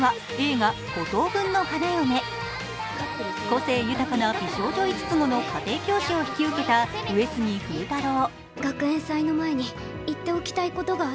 個性豊かな美少女５つ子の家庭教師を引き受けた上杉風太郎。